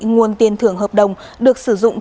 nguồn tiền thưởng hợp đồng được sử dụng